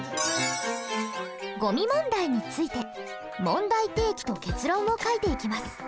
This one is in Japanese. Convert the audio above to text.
ゴミ問題について「問題提起」と「結論」を書いていきます。